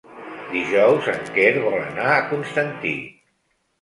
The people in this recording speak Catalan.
Dijous en Quer vol anar a Constantí.